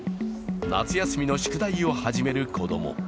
夏休みの宿題を始める子供。